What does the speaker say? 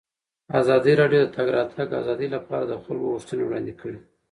ازادي راډیو د د تګ راتګ ازادي لپاره د خلکو غوښتنې وړاندې کړي.